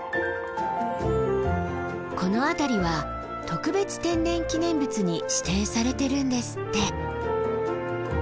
この辺りは特別天然記念物に指定されているんですって。